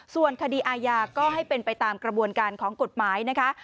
ส่วนคดีอาญาก็ให้เป็นไปตามกระบวนการของกฎหมายนะคะ